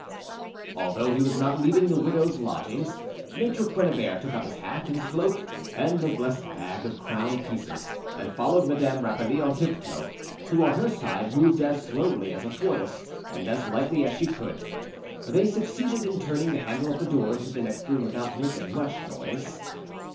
Although he was not leaving the widow's lodgings, Maitre Quennebert took up his hat and cloak and the blessed bag of crown pieces, and followed Madame Rapally on tiptoe, who on her side moved as slowly as a tortoise and as lightly as she could. They succeeded in turning the handle of the door into the next room without making much noise.